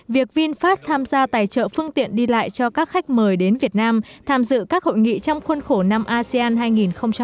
việc vinfast tham gia tài trợ phương tiện đi lại cho các khách mời đến việt nam tham dự các hội nghị trong khuôn khổ năm asean hai nghìn hai mươi